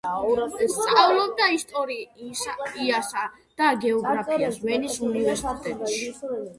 სწავლობდა ისტორიასა და გეოგრაფიას ვენის უნივერსიტეტში.